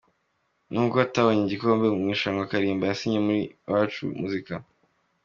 Nubwo atabonye igikombe mw’ Irushanwa Kalimba yasinye muri Iwacu muzika